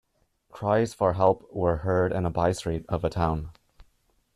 Cries for help were heard in a by-street of a town.